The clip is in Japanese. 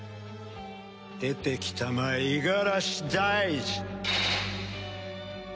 出てきたまえ五十嵐大二！